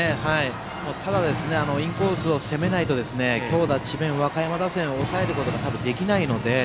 ただ、インコースを攻めないと強打・智弁和歌山打線を抑えることが多分、できないので。